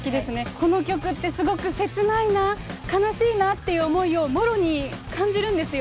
この曲ってすごく切ないな、悲しいなっていう思いをもろに感じるんですよ。